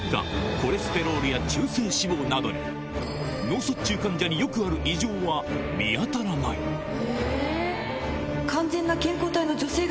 コレステロールや中性脂肪などに脳卒中患者によくある通常はまれにそこにははい。